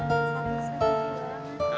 yang kaki setengah